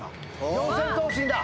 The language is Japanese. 四千頭身だ。